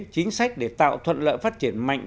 chính sách để tạo thuận lợi phát triển mạnh